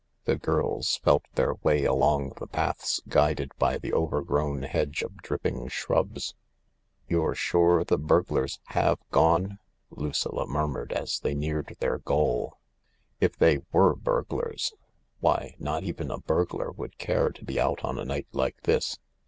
The girls felt their way along the paths guided by the overgrown hedge of dripping shrubs. " You're sure the burglars have gone ?" Lucilla mur mured as they neared their goal. " If they were burglars. Why, not even a burglar would care to be out on a night like this.